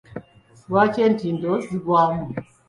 Lwaki entindo zigwamu?